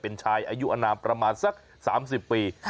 เป็นชายอายุอนามประมาณสัก๓๐ปี